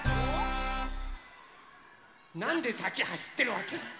なんでさきはしってるわけ？